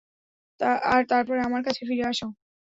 আর তারপরে আমার কাছে ফিরে আসো।